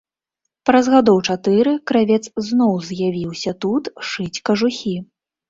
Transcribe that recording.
Праз гадоў чатыры кравец зноў з'явіўся тут шыць кажухі.